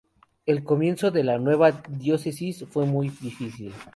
El comienzo de la nueva diócesis fue muy difícil.